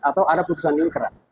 atau ada keputusan yang kera